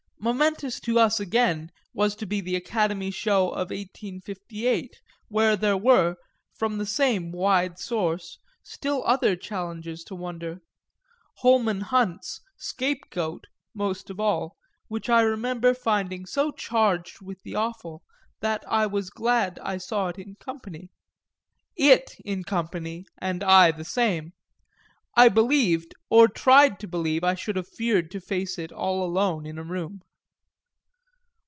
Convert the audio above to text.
Momentous to us again was to be the Academy show of 1858, where there were, from the same wide source, still other challenges to wonder, Holman Hunt's Scapegoat most of all, which I remember finding so charged with the awful that I was glad I saw it in company it in company and I the same: I believed, or tried to believe, I should have feared to face it all alone in a room.